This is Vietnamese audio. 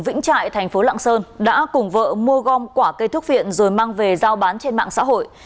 vĩnh trại tp lạng sơn đã cùng vợ mua gom quả cây thuốc viện rồi mang về giao bán trên mạng xã hội